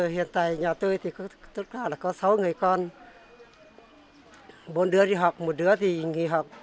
hiện tại nhà tôi có sáu người con bốn đứa đi học một đứa nghỉ học